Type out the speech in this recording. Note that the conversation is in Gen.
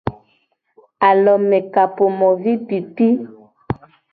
Alomekapomovipipi.